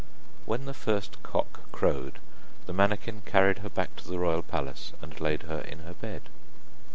When the first cock crowed, the manikin carried her back to the royal palace, and laid her in her bed.